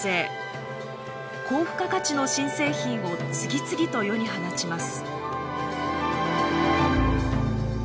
高付加価値の新製品を次々と世に放ちます。